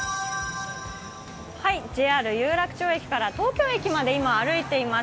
ＪＲ有楽町から東京駅まで今歩いています。